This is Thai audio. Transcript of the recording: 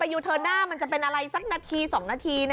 อยู่เทิร์นหน้ามันจะเป็นไรอีกนาที